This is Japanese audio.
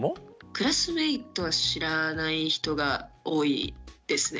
クラスメートは知らない人が多いですね。